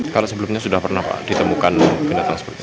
kalau sebelumnya sudah pernah pak ditemukan binatang seperti itu